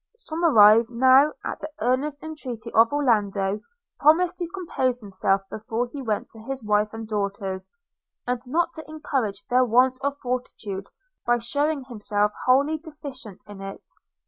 Somerive now, at the earnest entreaty of Orlando, promised to compose himself before he went to his wife and daughters, and not to encourage their want of fortitude, by shewing himself wholly deficient in it.